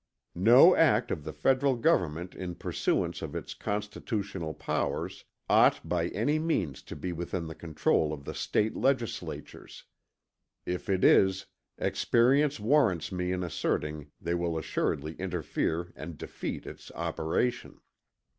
No act of the Federal Government in pursuance of its constitutional powers ought by any means to be within the control of the State Legislatures; if it is, experience warrants me in asserting they will assuredly interfere and defeat its operation.